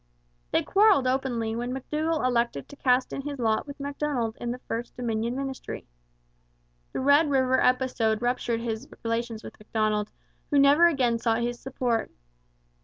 They quarrelled openly when McDougall elected to cast in his lot with Macdonald in the first Dominion ministry. The Red River episode ruptured his relations with Macdonald, who never again sought his support.